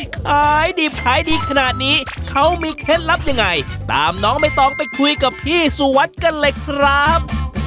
ขายดิบขายดีขนาดนี้เขามีเคล็ดลับยังไงตามน้องใบตองไปคุยกับพี่สุวัสดิ์กันเลยครับ